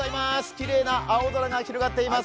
きれいな青空が広がっています。